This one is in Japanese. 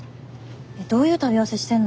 えっどういう食べ合わせしてんの。